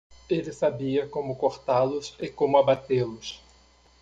Ele sabia como cortá-los e como abatê-los.